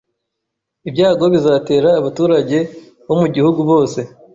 Ibyago bizatera abaturage bo mu gihugu bose